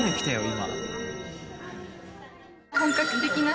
今。